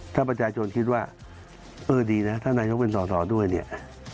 ถ้าประชาชนคิดว่าเออดีนะถ้านายกเป็นสอสอด้วยเนี่ย